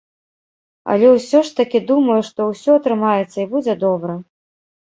Але ўсё ж такі думаю, што ўсё атрымаецца і будзе добра.